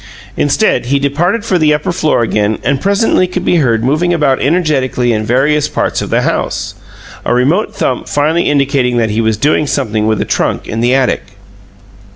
Instead, he departed for the upper floor again and presently could be heard moving about energetically in various parts of the house, a remote thump finally indicating that he was doing something with a trunk in the attic.